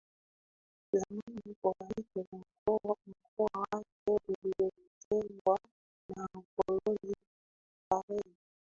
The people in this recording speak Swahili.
zamani Kuwait ni mkoa wake uliotengwa na ukoloni Tarehe